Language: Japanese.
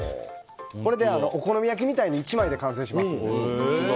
これでお好み焼きみたいに１枚で完成しますので。